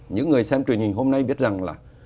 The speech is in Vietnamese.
những người xem truyền hình hôm nay biết rằng